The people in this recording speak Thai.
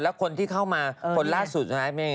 แล้วคนที่เข้ามาคนล่าสุด